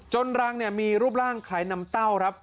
จนรังมีรูปร่างคลายน้ำเต้าครับ